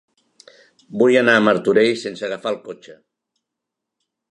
Vull anar a Martorell sense agafar el cotxe.